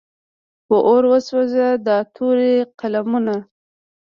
په اور وسوځه دا تورې قلمونه.